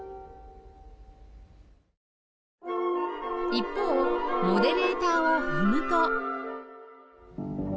一方モデレーターを踏むと